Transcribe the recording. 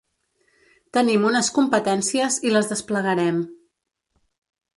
Tenim unes competències i les desplegarem.